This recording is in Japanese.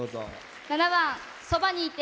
７番「そばにいて。」。